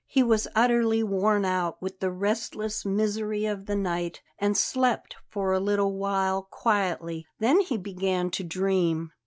He was utterly worn out with the restless misery of the night and slept for a little while quietly; then he began to dream.